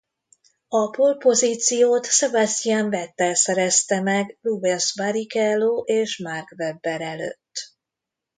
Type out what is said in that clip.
A pole-pozíciót Sebastian Vettel szerezte meg Rubens Barrichello és Mark Webber előtt.